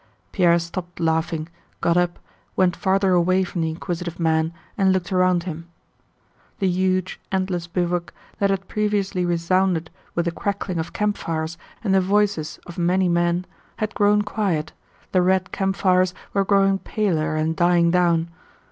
Pierre stopped laughing, got up, went farther away from the inquisitive man, and looked around him. The huge, endless bivouac that had previously resounded with the crackling of campfires and the voices of many men had grown quiet, the red campfires were growing paler and dying down.